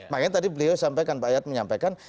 makanya tadi beliau sampaikan pak ayat menyampaikan